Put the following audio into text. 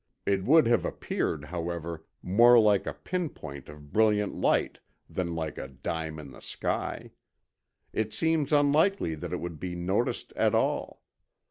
It would have appeared, however, more like a pinpoint of brilliant light than 'like a dime in the sky.' It seems unlikely that it would be noticed at all.